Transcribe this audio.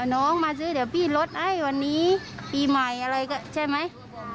น้องมาซื้อเดี๋ยวพี่ลดให้วันนี้ปีใหม่อะไรใช่ไหม